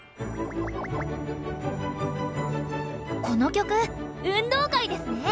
この曲運動会ですね！